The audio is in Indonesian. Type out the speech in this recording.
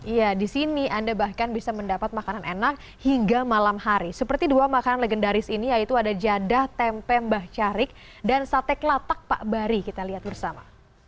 ya di sini anda bahkan bisa mendapat makanan enak hingga malam hari seperti dua makanan legendaris ini yaitu ada jadah tempe mbah carik dan sate kelatak pak bari kita lihat bersama